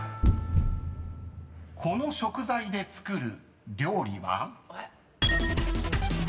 ［この食材で作る料理は？］